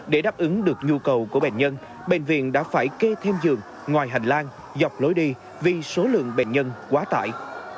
để đáp ứng được nhu cầu của bệnh nhân bệnh viện đã phải kê thêm giường ngoài hành lang dọc lối đi vì số lượng bệnh nhân quá tải